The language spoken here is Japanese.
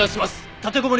立てこもり